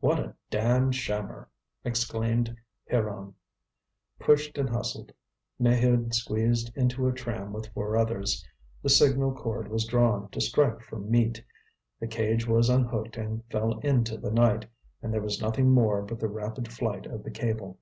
"What a damned shammer!" exclaimed Pierron. Pushed and hustled, Maheude squeezed into a tram with four others. The signal cord was drawn to strike for meat, the cage was unhooked and fell into the night, and there was nothing more but the rapid flight of the cable.